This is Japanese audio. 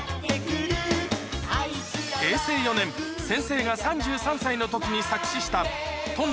先生が３３歳の時に作詞した